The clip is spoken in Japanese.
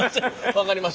分かりました。